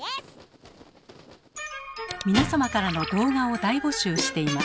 皆様からの動画を大募集しています。